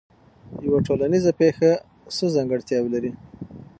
یوه ټولنیزه پېښه څه ځانګړتیاوې لري؟